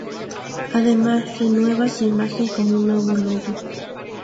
Además, renueva su imagen con un nuevo logo.